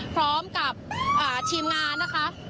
พร้อมกับทีมงานนะคะ